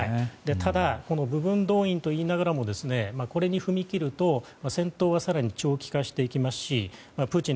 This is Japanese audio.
ただ、部分動員といいながらもこれに踏み切ると戦闘は更に長期化していきますしプーチン